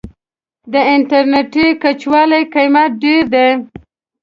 د انټرنيټي کڅوړو قيمت ډير ده.